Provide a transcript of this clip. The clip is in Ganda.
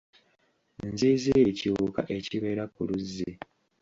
Nziiziiri kiwuka ekibeera ku luzzi.